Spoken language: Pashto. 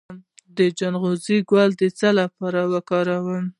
د چغندر ګل د څه لپاره وکاروم؟